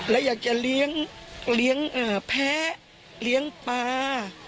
และอยากจะเลี้ยงแพ้เลี้ยงปลา